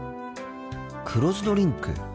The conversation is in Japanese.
黒酢ドリンク。